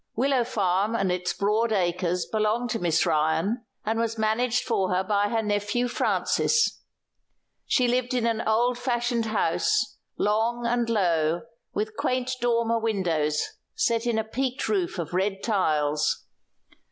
Willow Farm and its broad acres belonged to Miss Ryan, and was managed for her by her nephew Francis. She lived in an old fashioned house, long and low, with quaint dormer windows set in a peaked roof of red tiles.